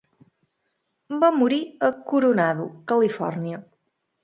Va morir a Coronado, Califòrnia.